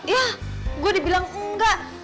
yah gue dibilang enggak